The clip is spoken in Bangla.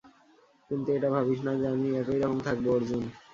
কিন্তু এটা ভাবিস না যে আমি একই রকম থাকবো, অর্জুন।